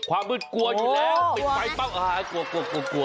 ความมืดกลัวอยู่แล้วปิดไฟปั๊บกลัวกลัว